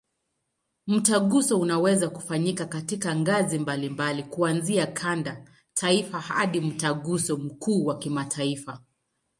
Mtaguso unaweza kufanyika katika ngazi mbalimbali, kuanzia kanda, taifa hadi Mtaguso mkuu wa kimataifa.